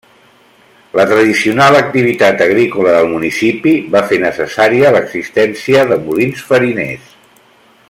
La tradicional activitat agrícola del municipi va fer necessària l'existència de molins fariners.